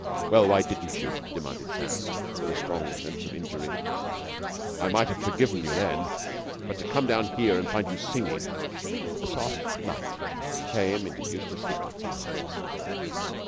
"Well, why didn't you?" demanded Sam, with a strong sense of injury. "I might have forgiven you then. But to come down here and find you singing...." A soft light came into Eustace Hignett's eyes.